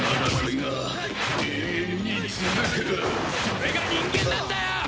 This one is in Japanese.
それが人間なんだよ！